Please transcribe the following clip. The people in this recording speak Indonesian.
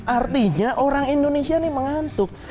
artinya orang indonesia ini mengantuk